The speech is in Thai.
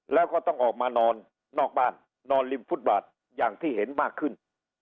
แล้วก็ต้องออกมานอนนอกบ้านนอนริมฟุตบาทอย่างที่เห็นมากขึ้น